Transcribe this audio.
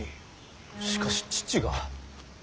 しかし父が。